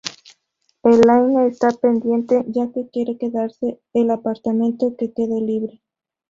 Elaine está pendiente ya que quiere quedarse el apartamento que quede libre.